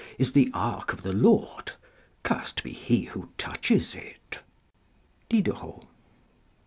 is the ark of the Lord ; cursed be he who touches it. — Diderot.